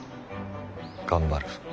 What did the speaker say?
頑張る。